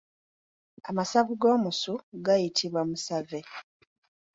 Amasavu g’omusu gayitibwa musave.